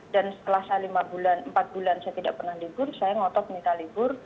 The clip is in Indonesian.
dan setelah empat bulan saya tidak pernah libur saya ngotot minta libur